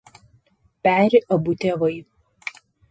Peri abu tėvai.